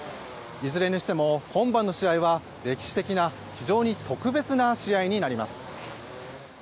いずれにしても今晩の試合は歴史的な非常に特別な試合になります。